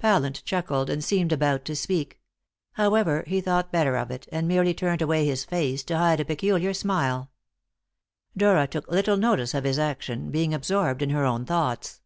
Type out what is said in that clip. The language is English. Pallant chuckled, and seemed about to speak. However, he thought better of it, and merely turned away his face to hide a peculiar smile. Dora took little notice of his action, being absorbed in her own thoughts.